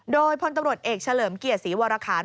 โดยพลตำรวจเอกเฉลิมเกียรติศรีวรคาร